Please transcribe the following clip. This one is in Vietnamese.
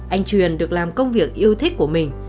anh truyền được làm công việc yêu thích của mình